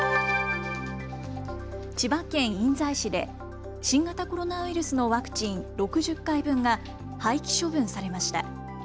千葉県印西市で新型コロナウイルスのワクチン６０回分が廃棄処分されました。